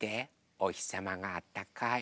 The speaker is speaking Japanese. おひさまがあったかい。